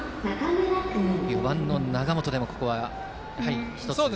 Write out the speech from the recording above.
４番の永本でもここはバント。